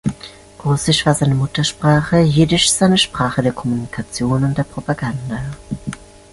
Russisch war seine Muttersprache, Jiddisch seine Sprache der Kommunikation und der Propaganda.